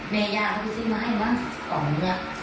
ในยาภูมิสิมาให้มาตอนนี้